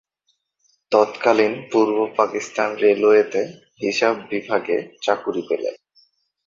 তৎকালীন পূর্ব পাকিস্তান রেলওয়েতে হিসাব বিভাগে চাকুরী পেলেন।